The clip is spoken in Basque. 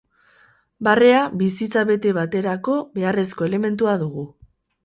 Barrea, bizitza bete baterako beharrezko elementua dugu.